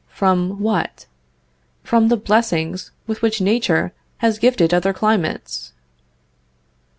From what? From the blessings with which Nature has gifted other climates.